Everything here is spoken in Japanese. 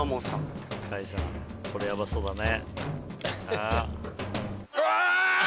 開さんこれヤバそうだね。